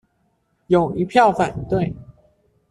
有一票反對